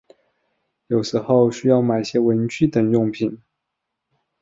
有时候需要买些文具等用品